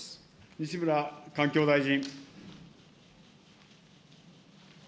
西村環境大臣。